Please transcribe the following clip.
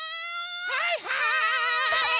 はいはい！